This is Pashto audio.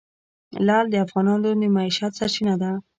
لعل د افغانانو د معیشت سرچینه ده.